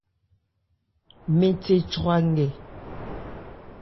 Mɛ́n the chwra nkɛ.